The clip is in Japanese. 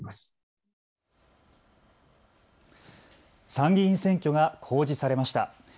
参議院選挙が公示されました。